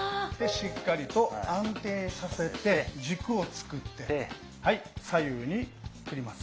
しっかりと安定させて軸をつくってはい左右に振ります。